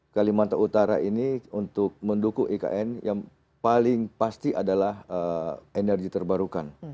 kalimantan utara ini untuk mendukung ikn yang paling pasti adalah energi terbarukan